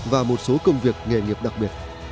và một số công việc nghề nghiệp đặc biệt